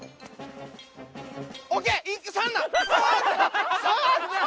ＯＫ！